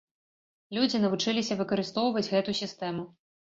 Людзі навучыліся выкарыстоўваць гэту сістэму.